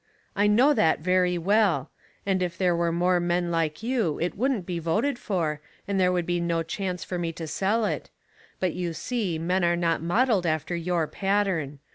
" I know that very well ; and if there were more men like you it wouldn't be voted for, and there would be no chance for me to sell it ; but you see men are not modeled after your pattern.